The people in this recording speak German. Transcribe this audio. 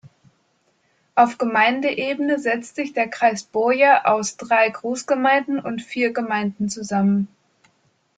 Auf Gemeindeebene setzt sich der Kreis Boye aus drei Großgemeinden und vier Gemeinden zusammen.